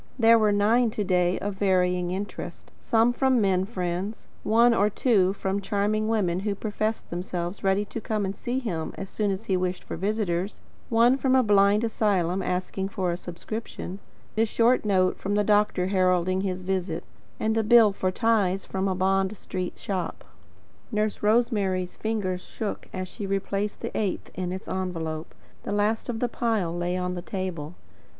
There were nine to day, of varying interest, some from men friends, one or two from charming women who professed themselves ready to come and see him as soon as he wished for visitors, one from a blind asylum asking for a subscription, a short note from the doctor heralding his visit, and a bill for ties from a Bond Street shop. Nurse Rosemary's fingers shook as she replaced the eighth in its envelope. The last of the pile lay on the table.